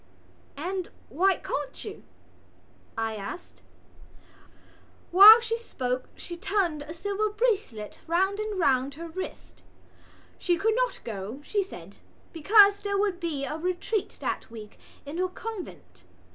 "And why can't you?" I asked. While she spoke she turned a silver bracelet round and round her wrist. She could not go, she said, because there would be a retreat that week in her convent.